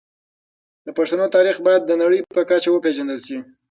د پښتنو تاريخ بايد د نړۍ په کچه وپېژندل شي.